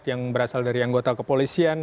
yang berasal dari anggota kepolisian